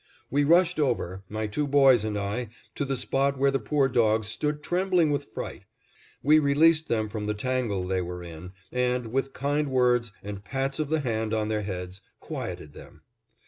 We rushed over, my two boys and I, to the spot where the poor dogs stood trembling with fright. We released them from the tangle they were in, and, with kind words and pats of the hand on their heads, quieted them.